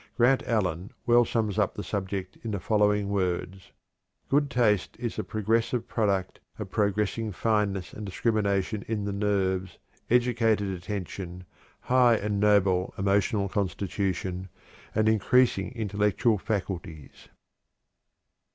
Grant Allen well sums up the subject in the following words: "_Good taste is the progressive product of progressing fineness and discrimination in the nerves, educated attention, high and noble emotional constitution, and increasing intellectual faculties.